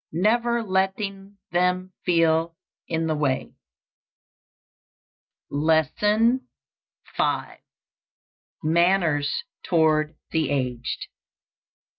_ Never letting them feel in the way. LESSON V. MANNERS TOWARD THE AGED.